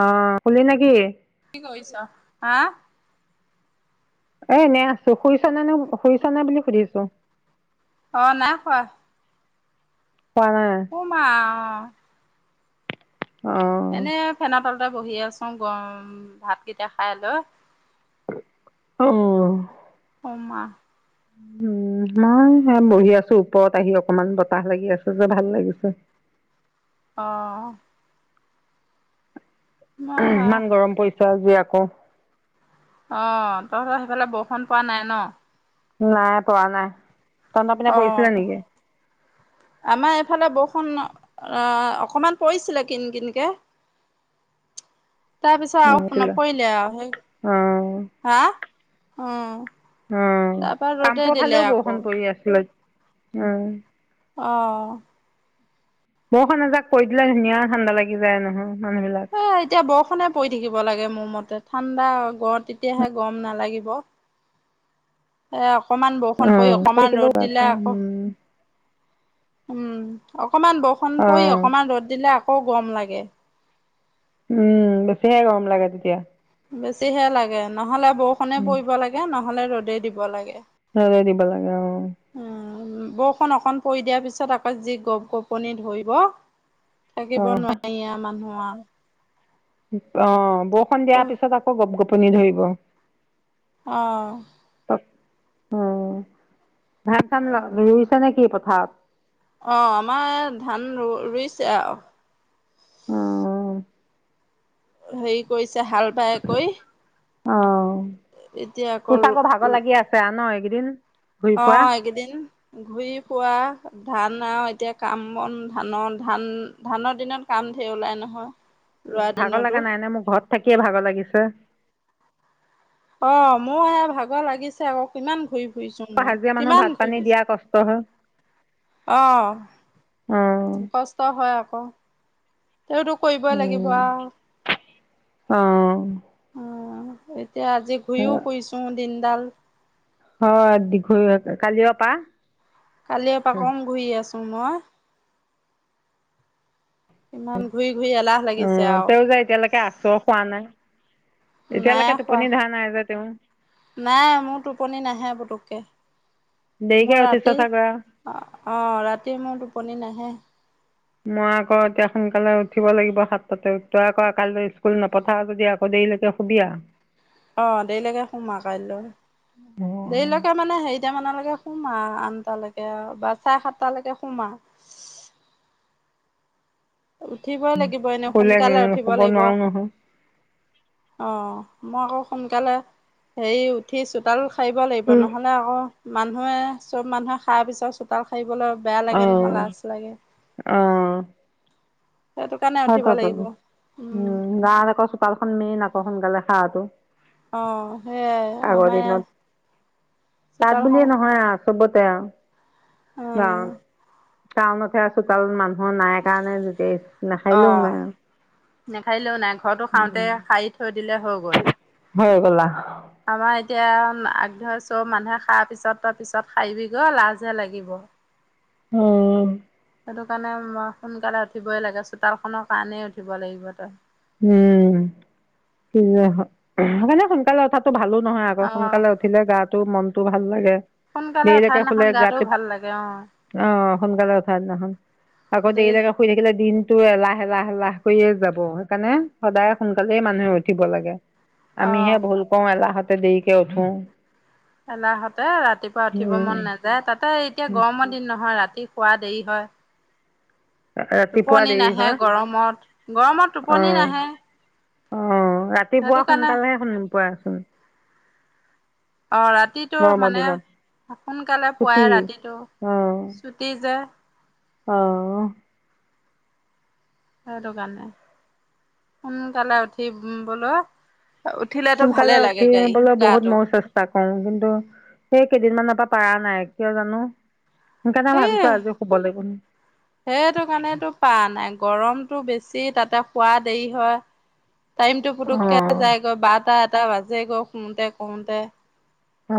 অ', শুলি নেকি? কি কৰিছ? হা! এ এনে আছোঁ শুইচনে নে শুইচ নে বুলি সুধিছো। অ', নাই শোৱা। শুৱা নাই? শুম আঅ অ এনে ফেনৰ তলতে বহি আছো গৰম ভাতকেইটা খাই লৈ। অহ', শুম আ উম মই সেইয়া বহি আছোঁ ওপৰত আহি অকমান বতাহ লাগি আছে যে ভাল লাগিছে। অহ', মই হয় ইমান গৰম পৰিছে আজি আকৌ অ' তহঁতৰ সেইফালে বৰষুণ পৰা নাই ন? নাই পৰা নাই। তহঁতৰ পিনে অ পৰিছিলে নিকি? আমাৰ এইফালে বৰষুণ, ন অ' অকণমান পৰিছিলে কিন কিনকে তাৰপিছত আৰু পৰিছিলে নপৰিলে আৰু সেই অ হা, উম উম' কামপুৰৰ ফালেও বৰষুণ পৰি আছিলে। উম' অ', বৰষুণ এজাক, পৰি দিলে ধুনীয়া ঠাণ্ডা লাগি যায় নহয় মানুহবিলাক এ, এতিয়া বৰষুণে পৰি থাকিব লাগে মোৰ মতে ঠাণ্ডা গ তেতিয়াহে গৰম নালাগিব। এ, অকণমান বৰষুণ পৰি অকণমান ৰ'দ দিলে অ আকৌ উম উম' অকমান বৰষুণ পৰি অ অকণমান ৰ'দ দিলে আকৌ গৰম লাগে। উম' বেছিহে গৰম লাগে তেতিয়া বেছিহে লাগে নহ'লে বৰষুণে উম। পৰিব লাগে নহ'লে ৰ'দেই দিব লাগে। ৰ'দেই দিব লাগে অ' উম' বৰষুণ অকণ পৰি দিয়াৰ পিছত আকৌ যি গপ গপনি ধৰিব থাকিব অ', নোৱাৰি আৰু মানুহ আৰু অ', বৰষুণ দিয়াৰ পিছত আকৌ গপ গপনি ধৰিব। অ', পত উম' ধান চান ৰুইছ নে কি পথাৰত? অ', আমাৰ ধান ৰু ৰুইছে আউ উম, হেৰি কৰিছে হাল বাই কৰি অ এতিয়া তোৰ চাগৈ আকৌ ভাগৰ লাগি আছে আৱ ন এইকেইদিন ঘূৰি অ ফুৰা, এইকেইদিন ঘূৰি ফুৰা ধান আৰু এতিয়া কাম বন ধানৰ ধান ধানৰ দিনত কাম ধেৰ ওলাই নহয় ৰোৱা ভাগৰ দিনতো লাগা নাই নে মোৰ ঘৰত থাকিয়ে ভাগৰ লাগিছে অ মোৰ এ ভাগৰ লাগিছে আকৌ কিমান ঘূৰিব আকৌ হাজিৰা মানুহ ভাত পানী দিয়া কষ্ট হয় অ অ', কষ্ট হয় আকৌ তেওতো কৰিবই লাগিব উম। আউ অ', উম এতিয়া আজি ঘূৰিও ফুৰিছো দিনডাল অ দীঘলীয়াকে কালিঅ পা কালিঅ পা কম ঘূৰি আছোঁ মই ইমান ঘূৰি ঘূৰি এলাহ অ লাগিছে আৰু তেও যে এতিয়ালেকে আছ শুৱা নাই নাই এতিয়ালেকে খোৱা টোপনি ধৰা নাই যে তেও নাই আৰু মোৰ টোপনি নাহে পুতুককে দেৰিকে মই উঠিছ ৰাতি চাগৈ আৰু অঁ অঁ ৰাতি মোৰ টোপনি নাহে মই আকৌ এতিয়া সোনকালে উঠিব লাগিব সাতটাতে তই আকৌ কাইলৈ স্কুল নপঠাও যদি আকৌ দেৰিলৈকে শুবি আৰ অ দেৰিলৈকে শুম আৰু কাইলৈ দেৰিলৈকে মানে হেৰিটামানলৈকে শুম আৰু আঠটালৈকে বা চাৰে সাতটালৈকে শুম আৰু উঠিবই লাগিব এনেই শুলে সোনকালে উঠিব শুব লাগিব নোৱাৰো নহয় অ মই আকৌ সোনকালে হেৰি উঠি চোতাল সাৰিব লাগিব নহলে আকৌ মানুহে চব মানুহে সাৰাৰ পিছত চোতাল সাৰিবলৈ বেয়া অ লাগে নহয় লাজ লাগে সেইটো কাৰণে উঠিব সেইটো এ টো লাগিব উম মাৰ আকৌ চোতালখন মেইন আকৌ সোনকালে সাৰাটো অ সেইয়াই আগৰ আমাৰ দিনত তাত চোতালখন বুলিয়ে নহয় আৰু চবতে আৰু অ গাঁৱত টাউনত সে আৰু চোতালত মানুহো নাই কাৰণে যেতি নাহাৰিলেও নাই আৰু নেসাৰিলেও নাই ঘৰটো সাৰতে উম, সাৰি থৈ দিলে হৈ গ'ল হৈ গলা আউ আমাৰ এতিয়া আগ ধৰ চব মানুহে সাৰাৰ পিছত তই পিছত সাৰিবি গৈ লাজহে লাগিব অ সেইটো কাৰণে মই সোনকালে উঠিবই লাগে চোতালখনৰ কাৰণেই উঠিব লাগিব তই উম কি মানে সোনকালে উঠাটো ভালো নহয় আকৌ অ', সোনকালে উঠিলে গাটো মনটো ভাল লাগে সোনকালে উঠাৰ দেৰিলৈকে শুলে দিনাখন গাটোও গাতোত ভাল লাগে অ', অ অ সোনকালে উঠা দিনাখন আকৌ দেৰি দেৰিলৈকে শুই থাকিলে দিনতো এলাহ এলাহ এলাহ কৰিয়ে যাব সেইকাৰণে সদায় সোনকালেই মানুহে উঠিব লাগে আমিহে অ', ভুল কওঁ এলাহতে দেৰিকে উঠো এলাহতে ৰাতিপুৱা উঠিব উম মন নাযায় তাতে এতিয়া গৰমৰ দিন নহয় ৰাতি শুৱা দেৰি হয় ৰাতিপুৱা টোপনি দেৰি নাহে হয় গৰমত গৰমত অ টোপনি নাহে অ সেইটো ৰাতিপুৱা কাৰণে সোনকালেহে শুনি পোৱাচোন অ ৰাতিটো গৰমৰ মানে দিনত সোনকালে পোৱাই ছুটি ৰাতিটো অ ছুটি যে অ সেইটো কাৰণে সোনকালে উঠিবলৈ উঠিলে সোনকালে উঠিবলৈ বহুত মৌজ আছে কৰো কিন্তু সেই কেইদিনমানৰ পৰা নাই কিয় জানো সেইকাৰণে এই ভাবিছো আজি শুব লাগিব সেইটো কাৰণেটো পাৰা নাই গৰমটো বেছি তাতে শুৱা দেৰি হয় টাইমটো পুতুককে অ', যাই গৈ বাৰটা এটা বাজে গৈ শুৱতে কৰোতে অ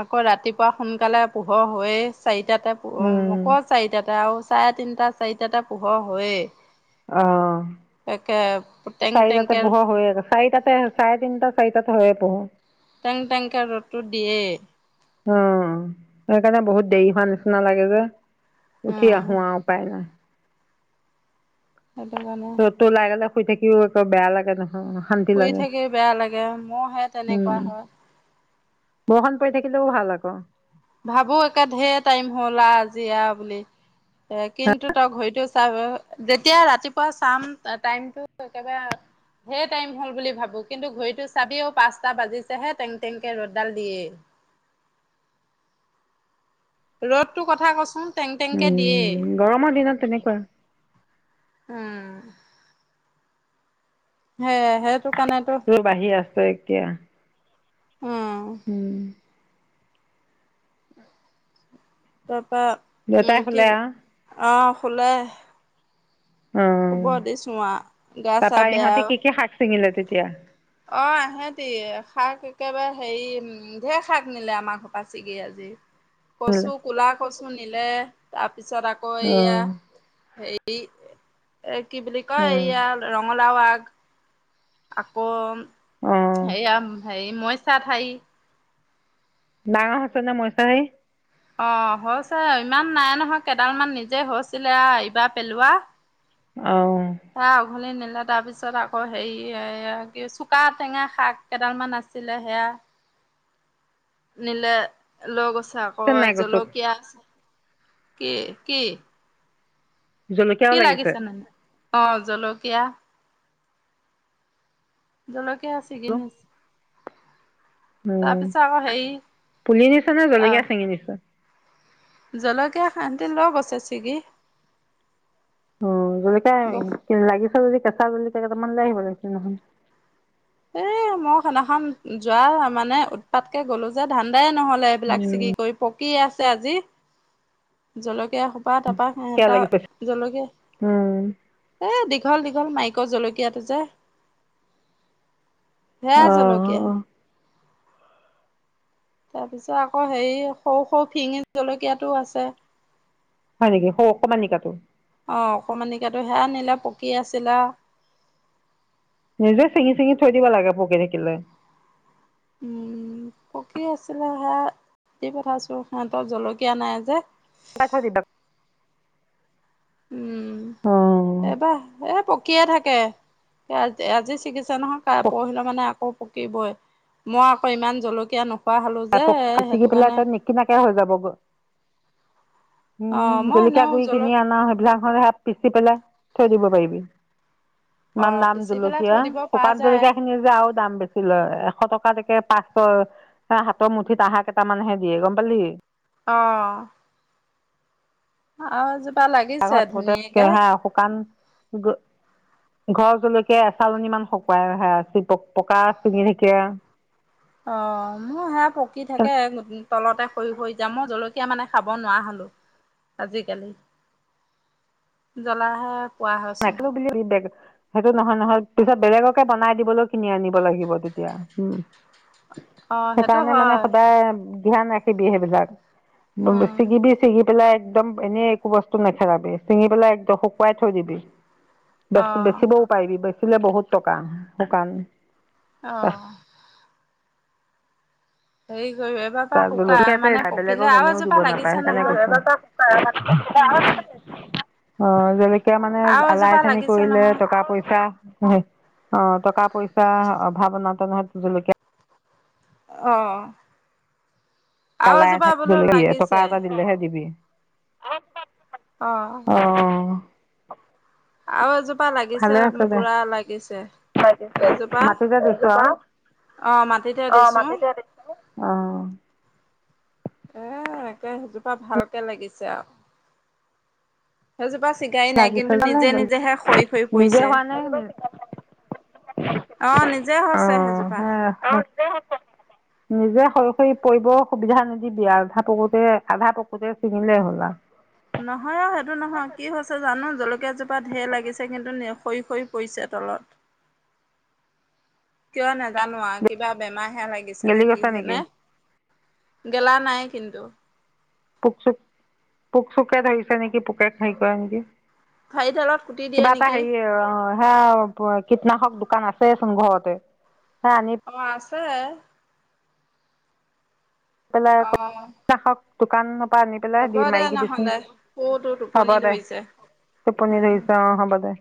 আকৌ ৰাতিপুৱা সোনকালে পোহৰ হৈয়ে চাৰিটাতে প উম, আক চাৰিটাতে আৰু চাৰে তিনটা চাৰিটাতে পোহৰ হয়ে অ টেং চাৰিটাতে টেংকে পোহৰ‌ হৈয়ে চাৰি তাতে চাৰে তিনিটা চাৰিতাত হয় পোহৰ টেং টেংকৈ ৰ'দটো দিয়ে অ সেইকাৰণে বহুত দেৰি হোৱা নিচিনা লাগে যে উঠি উম আহো আৰু উপায় নাই সেইটো কাৰণে টো লাই শুই থাকি একো বেয়া লাগে ন অ সেই শুই থাকি বেয়া লাগে মোৰো হে উম, তেনেকুৱা হয় বৰষুণ পৰি থাকিলেও ভাল আকৌ। ভাবো একে ঢেৰ টাইম হ'ল আ আজি আ বুলি। এ কিন্তু তই ঘড়ীটো চাব যেতিয়া ৰাতিপুৱা চাম টাইমটো একেবাৰে ঢেৰ টাইম হ'ল বুলি ভাবো, কিন্তু ঘড়ীতো চাবিও পাঁচটা বাজিছেহে টেং টেংকে ৰ'দডাল দিয়ে। ৰ'দটো কথা কচোন টেং টেংকে দিয়ে। উম, গৰমৰ দিনত তেনেকুৱা উম'। হে সেই টো তোৰ বাঢ়ি আছে এতিয়া। উম। উম। তাৰপৰা দেউতাই কি শুলে আৰু অঁ শুলে। অ' শুব দিছোঁ আ গা চা তাৰপৰা বেয়া ইহঁতে কি কি শাক চিঙিলে তেতিয়া? অ এহেতি শাক একেবাৰে হেৰি উম ঢেৰ শাক নিলে আমাৰ ঘৰ পা ছিগি আজি। অ অ কচু কলা কচু নিলে তাৰপিছত আকৌ এয়া হে এই এ কি বুলি কয় ইয়া ৰঙালাও আগ। আকৌ অ হেয়া হেৰি মৰিচা ঠাৰি। ডাঙৰ হৈছে নে মইচা ঠাৰি? অ হৈছে ইমান নাই নহয় কেইডাল মান নিজে হৈছিলে, আ এইবাৰ পেলোৱা। অহ' হেআ উঘালি নিলে, তাৰ পিছত আকৌ হেৰি কি চোকা টেঙা শাক কেইডালমান আছিলে সেয়া নিলে লৈ গৈছে আকৌ নাই গছত জলকীয়া, কি কি? কি লাগিছে নো অ জলকীয়া জলকীয়া আছেগে নে? উম', পিছত আকৌ হেৰি পুলি নিছে নে আহ জলকীয়া চিঙি নিছে? জলকীয়া হেতি লৈ গৈছে ছিগি। অ জলকিয়া লাগিছে যদি কেঁচা জলকিয়া কেইটামান লৈ আহিব লাগিছিল নহয়। এ মই খেনাখন যোৱা মানে উৎপাতকে গ'লো যে ধান্দাই নহ'ল। এইবিলাক উম চিগি কৰি পকি আছে আজি জলকীয়া হ তপা তপা কিয় সেহঁতৰ লাগি গৈছে জলকীয়া উম। এ দীঘল দীঘল মাইকৰ জলকীয়াটো যে হেয়া অ জলকীয়া। অ তাৰপিছত আকৌ হেৰি সৰু সৰু ফিঙি জলকীয়াটোও আছে। হয় নেকি ‌? সৰু অকমানিকা টো? অ অকমানিকটো সেয়া নিলে পকী আছিলে। নিজে চিঙি চিঙি থৈ দিব লাগে পকি থাকিলে। উম' পকি আছিলে হেয়া দি পঠাইছোঁ, সিহঁতৰ জলকীয়া নাই যে। [unintelligible] অ উম' এইবাৰ এই পকিয়ে থাকে। আজি চিঙিছ নহয় পৰহিলে মানে আকৌ পকিবই, মই আকৌ ইমান জলকীয়া নোখোৱা হ'লো যে সেইটো [unintelligible] পেলাই কাৰণে তই নিকিনাকে হৈ যাবগৈ। অ উম মই জলকীয়া এনেও গুৰি জল কিনি আনা সেইবিলাক ধৰ সেইয়াত পিছি পেলাই থৈ দিব পাৰিবি। অ ইমান দাম পিচি পেলাই জলকীয়া, থৈ দিব পৰা শুকান যায় জলকীয়া খিনি যে আৰু দাম বেছি লয়, এশ টকাতকে পাঁচশ হে হাতৰ মুঠিত আহা কেইটামানহে দিয়ে গম পালি। অঁ [inaudible] ধুনীয়াকে [inaudible] ঘৰ জলকীয়া এচালনী ইমান শুকুৱাই অহা প পকা চিঙি থেইকিয়া অ, মোৰ সেয়া পকি থাকে তলতে হৈৰি হৈৰি যাম মই জলকীয়া মানে খাব নোৱাৰা হলো। আজিকালি জ্বলা হয়। [inaudible] সেইটো নহয় নহয়, পিছত বেলেগকে বনাই দিবলৈ কিনি আনিব লাগিব তেতিয়া উম। অ সেইটো সেইকাৰণে মানে হয় সদায় ধ্যান ৰাখিবি, সেইবিলাক, উম ছিগিবি চিঙি পেলাই একদম এনেই একো বস্তু নেখেৰাবি, চিঙি পেলাই একদম শুকুৱাই থৈ দিবি। অ বেচ বেচিবও পাৰিবি বেচিলে বহুত টকা শুকান। অঁ। [inaudible] [inaudible] শুকাই মানে পকিলে আৰু এজোপা লাগিছে নহয় উম অ, জলকীয়া মানে আৰু আলাই এজোপা আথানি লাগিছে কৰিলে নহয় টকা পইচা সেই, অঁ টকা পইচা অভাৱনাতনত জলকীয়া অ, আৰু আলাই এজোপা আথানি বোলো জলকীয়া টকা লাগিছে। এটা দিলেহে দিবি। অঁ। অঁ আৰু এজোপা লাগিছে ভালে আছে দে, পুৰা লাগিছে ভাত দিছে, এইজোপা মাটিতে দিছো আও। অ মাটিতে অ, দিছো মাটিতে দিছে অঁ। এ একে সেইজোপা ভালকৈ লাগিছে আও। সেইজোপা চিগাই নাই লাগিছে কিন্তু জানে নিজে নিজেহে সৰি সৰি নিজে পৰিছে। হোৱা নাই অঁ, নিজে অ হৈছে সেইযোৰ [inaudible] নিজে সৰি সৰি পৰিব সুবিধা নিদিবি আও, আধা পকুতে আধা পকুতে ছিঙিলে হ'ল আও। নহয় অ সেইটো নহয় কি হৈছে জানো জলকীয়া জোপা ঢেৰ লাগিছে, কিন্তু সৰি সৰি পৰিছে তলত। [unintelligible] কিয় নাজানো আও কিবা বেমাৰহে লাগিছে গেলি নে কি গৈছে নেকি হেনে। গেলা নাই কিন্তু। পোক চোক, পোক চোকে ধৰিছে নেকি পোকে খাই কৰে নেকি। ঠাৰি ডালত কুটি দিয়ে কিবা এটা নেকি। হেৰি অ, সেয়া কীটনাশক দোকান আছেচোন ঘৰতে সেয়া আনি অঁ আছে। পেলাইক অ দোকান পা আনি পেলাই হ'ব দি দে মাৰি দিবিচোন, নহ'লে মোৰতো হ'ব টোপনি দে। ধৰিছে টোপনি উম ধৰিছে অ‍ঁ হ'ব দে।